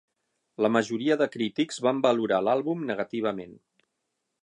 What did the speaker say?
La majoria de crítics van valorar l'àlbum negativament.